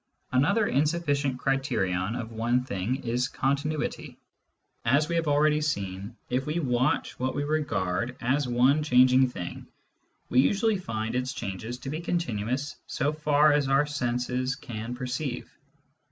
Another insufficient criterion of one thing is continuity. As we have already seen, if we watch what we regard as one changing thing, we usually find its changes to be con tinuous so far as our senses can perceive.